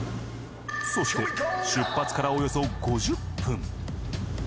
そして出発からおよそ５０分。